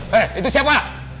he itu siapa